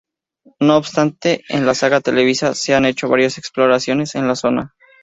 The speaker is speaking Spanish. No obstante, en la saga televisiva se han hecho varias exploraciones en la zona.